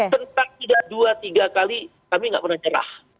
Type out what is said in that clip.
tentang tidak dua tiga kali kami gak pernah cerah